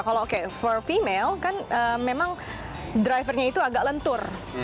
kalau oke for female kan memang drivernya itu agak lentur